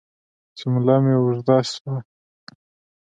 جمله مې اوږده شوه.